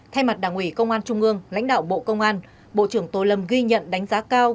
thay mặt đảng ủy công an trung ương lãnh đạo bộ công an bộ trưởng tô lâm ghi nhận đánh giá cao